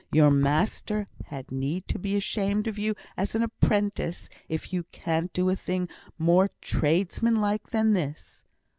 Your master had need to be ashamed of you as a 'prentice if you can't do a thing more tradesman like than this!'